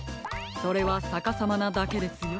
それはさかさまなだけですよ。